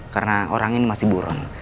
karena orang ini masih buron